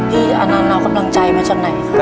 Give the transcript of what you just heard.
พี่อาณาเรากำลังใจมาจากไหนครับ